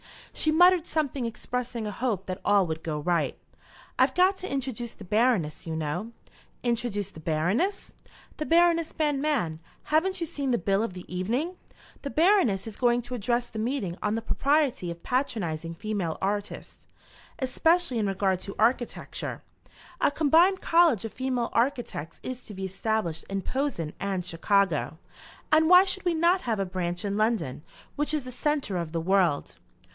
She muttered something expressing a hope that all would go right. "I've got to introduce the Baroness, you know." "Introduce the Baroness?" "The Baroness Banmann. Haven't you seen the bill of the evening? The Baroness is going to address the meeting on the propriety of patronising female artists, especially in regard to architecture. A combined college of female architects is to be established in Posen and Chicago, and why should we not have a branch in London, which is the centre of the world?"